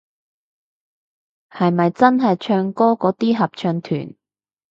係咪真係唱歌嗰啲合唱團